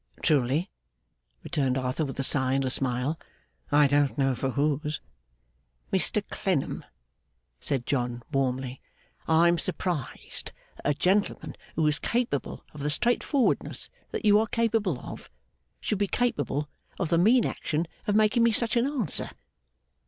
'Truly,' returned Arthur, with a sigh and a smile, 'I don't know for whose.' 'Mr Clennam,' said John, warmly, 'I am surprised that a gentleman who is capable of the straightforwardness that you are capable of, should be capable of the mean action of making me such an answer.